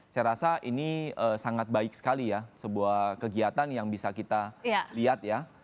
saya rasa ini sangat baik sekali ya sebuah kegiatan yang bisa kita lihat ya